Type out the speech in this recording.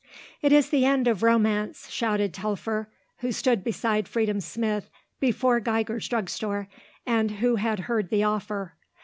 "It is the end of romance," shouted Telfer, who stood beside Freedom Smith before Geiger's drug store and who had heard the offer.